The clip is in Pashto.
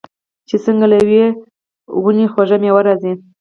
چې څنګه له یوې ونې خوږه میوه راځي.